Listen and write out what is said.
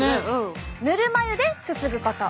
「ぬるま湯ですすぐこと！」。